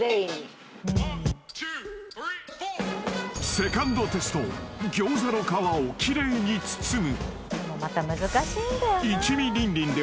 ［２ｎｄテスト餃子の皮を奇麗に包む］